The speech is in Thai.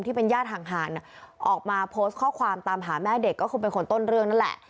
ที่เป็นญาติห่างออกมาโพสต์ข้อความตามหาแม่เด็กก็คงเป็นคนต้นเรื่องนั่นแหละ